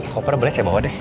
copper brush ya bawa deh